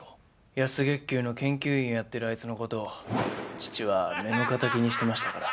安月給の研究員をやってるあいつのことを父は目の敵にしてましたから。